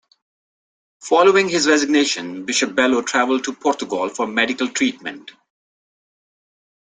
Following his resignation Bishop Belo travelled to Portugal for medical treatment.